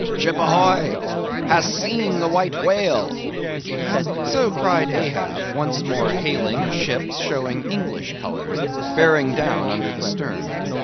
"Ship, ahoy! Hast seen the White Whale?" So cried Ahab, once more hailing a ship showing English colours, bearing down under the stern.